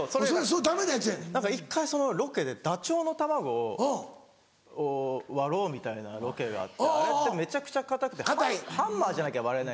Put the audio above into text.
１回ロケでダチョウの卵を割ろうみたいなロケがあってあれってめちゃくちゃ硬くてハンマーじゃなきゃ割れない。